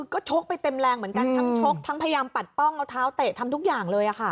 ก็ชกไปเต็มแรงเหมือนกันทั้งชกทั้งพยายามปัดป้องเอาเท้าเตะทำทุกอย่างเลยค่ะ